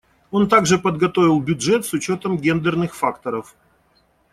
Он также подготовил бюджет с учетом гендерных факторов.